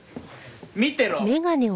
見てろ！